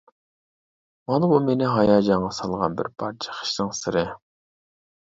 مانا بۇ مېنى ھاياجانغا سالغان بىر پارچە خىشنىڭ سىرى!